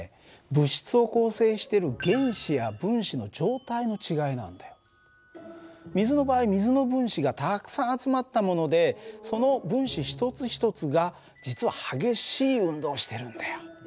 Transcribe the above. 物質を構成してる水の場合水の分子がたくさん集まったものでその分子一つ一つが実は激しい運動をしてるんだよ。